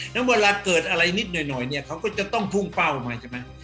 แล้วเวลาเกิดอะไรนิดหน่อยเนี่ยเขาก็จะต้องพุ่งเป้ามาใช่ไหม